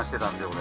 俺。